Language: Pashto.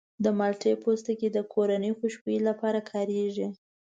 د مالټې پوستکی د کورني خوشبویي لپاره کارېږي.